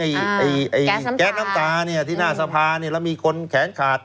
ไอ้แก๊สน้ำตาเนี่ยที่หน้าสภาเนี่ยแล้วมีคนแขนขาด